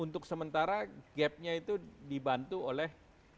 untuk sementara gapnya itu dibantu oleh